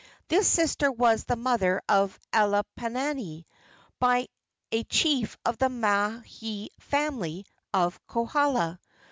This sister was the mother of Alapainui by a chief of the Mahi family of Kohala.